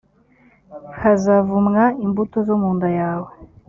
hazavumwa imbuto zo mu nda yawe